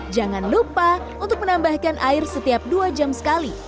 jangan lupa untuk menambahkan air setiap dua jam sekali